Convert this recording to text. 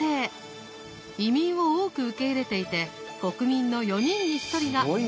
移民を多く受け入れていて国民の４人に１人が外国からの移民。